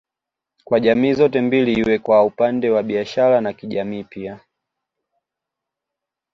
Kwa jamii zote mbili iwe kwa upande wa biashara na kijamii pia